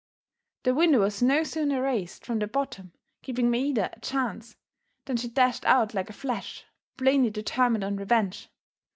The window was no sooner raised from the bottom, giving Maida a chance, than she dashed out like a flash, plainly determined on revenge.